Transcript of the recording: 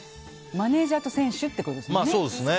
マネジャーと選手ってことですよね。